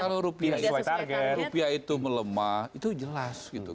kalau rupiah itu melemah itu jelas gitu